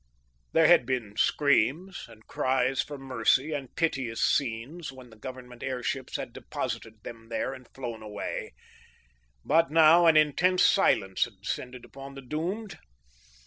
There had been screams and cries for mercy, and piteous scenes when the Government airships had deposited them there and flown away, but now an intense silence had descended upon the doomed.